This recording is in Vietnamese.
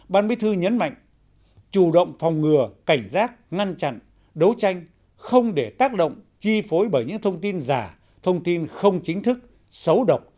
ban bí thư nhấn mạnh chủ động phòng ngừa cảnh giác ngăn chặn đấu tranh không để tác động chi phối bởi những thông tin giả thông tin không chính thức xấu độc